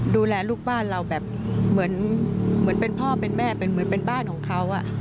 ดูแลลูกบ้านเราเหมือนเป็นพ่อเป็นแม่เป็นบ้านของเขา